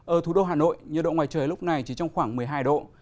ở thủ đô hà nội nhiệt độ ngoài trời lúc này chỉ trong khoảng một mươi hai độ